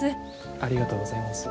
ありがとうございます。